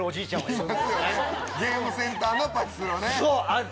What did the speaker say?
そう！